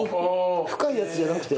深いやつじゃなくて？